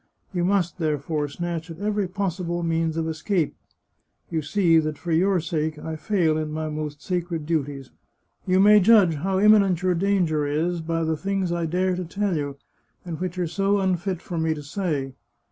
You must, therefore, snatch at every possible means of escape. You see that for your sake I fail in my most sacred duties. You may judge how imminent your danger is, by the things I dare to tell you, and which are so unfit for me to say.